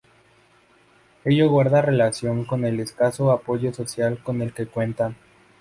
Ello guarda relación con el escaso apoyo social con el que cuenta.